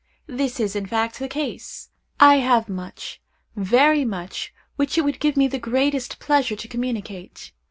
This is, in fact, the case. I have much—very much which it would give me the greatest pleasure to communicate.